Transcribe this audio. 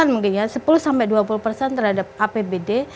dua puluh mungkin ya sepuluh dua puluh terhadap apbd